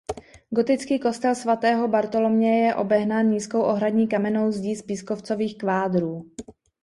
Gotický kostel svatého Bartoloměje je obehnán nízkou ohradní kamennou zdí z pískovcových kvádrů.